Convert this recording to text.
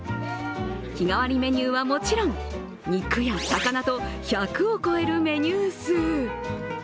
日替わりメニューはもちろん肉や魚と１００を超えるメニュー数。